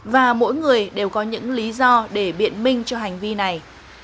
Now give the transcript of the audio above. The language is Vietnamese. và mỗi người đều có những lý do để biện minh cho hành vi này